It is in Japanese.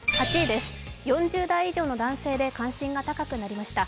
８位です、４０代以上の男性で関心が高くなります。